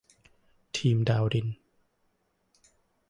ทีมดาวดิน